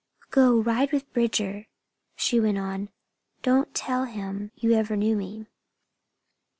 "Go, ride with Bridger," she went on. "Don't tell him you ever knew me.